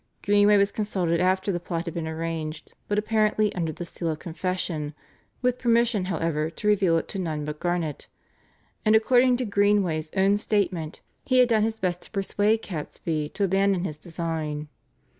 Greenway was consulted after the plot had been arranged, but apparently under the seal of confession with permission, however, to reveal it to none but Garnet, and according to Greenway's own statement he had done his best to persuade Catesby to abandon his design.